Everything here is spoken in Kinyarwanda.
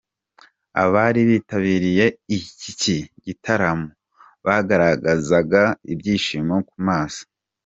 Abari bitabiriye iki gitaramo bagaragazaga ibyishimo ku maso.